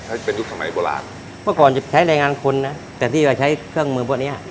จะเป็นยุคสมัยโบราณเมื่อก่อนจะใช้แรงงานคนนะแต่ที่เราใช้เครื่องมือพวกเนี้ย